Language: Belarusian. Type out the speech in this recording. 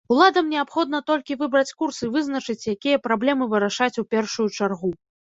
Уладам неабходна толькі выбраць курс і вызначыць, якія праблемы вырашаць у першую чаргу.